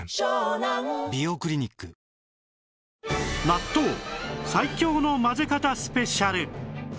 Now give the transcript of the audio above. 納豆最強の混ぜ方スペシャル！